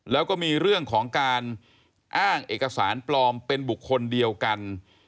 แล้วก็มีเรื่องของการอ้างเอกสารปลอมเป็นบุคคลเดียวกัน